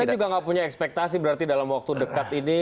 kita juga nggak punya ekspektasi berarti dalam waktu dekat ini